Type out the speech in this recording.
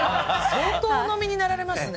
相当お飲みになられますね。